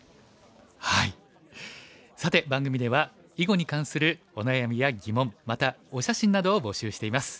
さて番組では囲碁に関するお悩みや疑問またお写真などを募集しています。